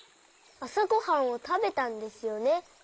あさごはんをたべたんですよね。